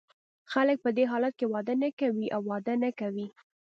خلګ په دې حالت کې واده نه کوي او واده نه کوي.